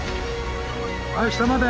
はい下まで。